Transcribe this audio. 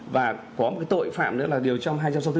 và có một cái tội phạm nữa là điều trong hai trăm sáu mươi bốn